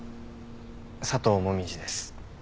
佐藤紅葉です。